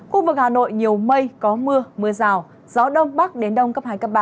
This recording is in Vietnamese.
khu vực hà nội nhiều mây có mưa mưa rào gió đông bắc đến đông cấp hai cấp ba